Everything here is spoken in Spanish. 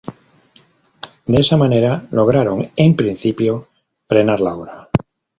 De esa manera lograron en principio frenar la obra.